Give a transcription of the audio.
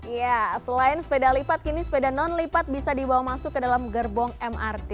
ya selain sepeda lipat kini sepeda non lipat bisa dibawa masuk ke dalam gerbong mrt